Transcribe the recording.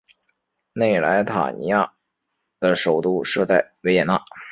内莱塔尼亚的首都设在维也纳。